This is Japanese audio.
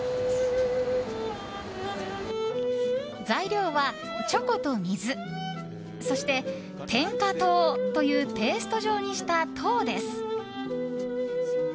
材料はチョコと水そして、転化糖というペースト状にした糖です。